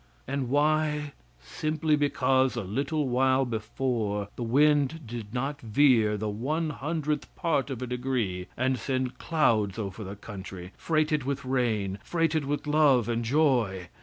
And why, simply because a little while before the wind did not veer the one hundredth part of a degree, and send clouds over the country, freighted with rain, freighted with love and joy.